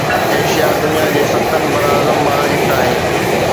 Asia دنيا جي ستن براعظمن مان هڪ آهي